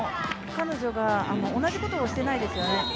彼女が同じ事をしていないですよね。